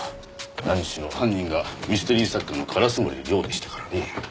何しろ犯人がミステリー作家の烏森凌でしたからね。